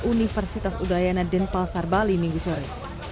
universitas udayana denpasar bali minggu sore